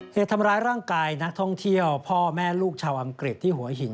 เหตุทำร้ายร่างกายนักท่องเที่ยวพ่อแม่ลูกชาวอังกฤษที่หัวหิน